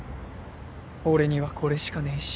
俺にはこれしかねえし。